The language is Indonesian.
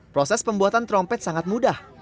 proses pembuatan trompet sangat mudah